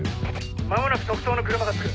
間もなく特捜の車が着く。